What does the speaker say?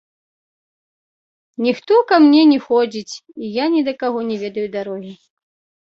Ніхто ка мне не ходзіць, і я ні да каго не ведаю дарогі.